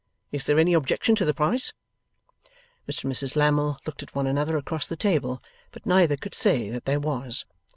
Is there any objection to the price?' Mr and Mrs Lammle looked at one another across the table, but neither could say that there was.